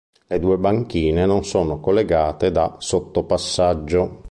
Le due banchine non sono collegate da sottopassaggio.